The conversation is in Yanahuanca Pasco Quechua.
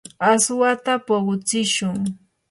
aswata puqutsishun.